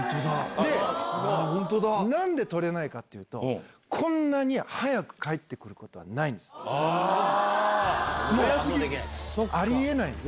で、なんで取れないかというと、こんなに速く返ってくることはな早すぎる。ありえないんです。